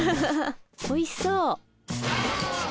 おいしそう！